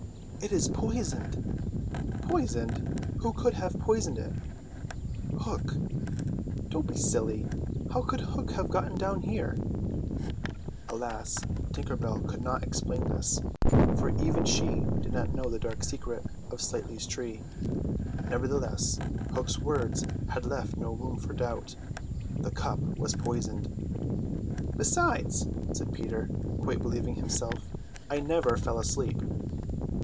"It is poisoned." "Poisoned? Who could have poisoned it?" "Hook." "Don't be silly. How could Hook have got down here?" Alas, Tinker Bell could not explain this, for even she did not know the dark secret of Slightly's tree. Nevertheless Hook's words had left no room for doubt. The cup was poisoned. "Besides," said Peter, quite believing himself, "I never fell asleep."